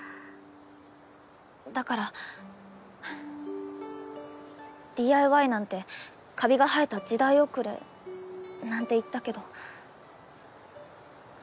だからＤＩＹなんてカビが生えた時代遅れなんて言ったけど。